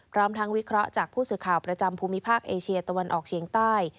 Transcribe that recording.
พร้อมทั้งวิเคราะห์จากผู้สื่อข่าวประจำภูมิภาคเอเชียตะวันออกเฉียงใต้